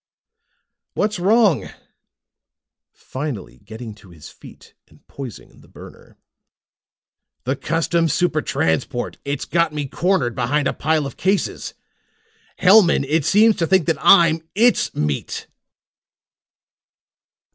"What's wrong?" Hellman asked, finally getting to his feet and poising the burner. "The Custom Super Transport. It's got me cornered behind a pile of cases. Hellman, it seems to think that I'm its meat!"